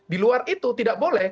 di luar itu tidak boleh